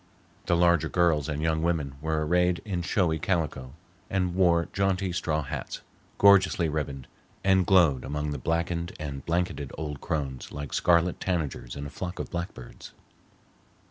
The larger girls and young women were arrayed in showy calico, and wore jaunty straw hats, gorgeously ribboned, and glowed among the blackened and blanketed old crones like scarlet tanagers in a flock of blackbirds.